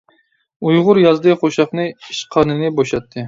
ئۇيغۇر يازدى قوشاقنى، ئىچ قارنىنى بوشاتتى.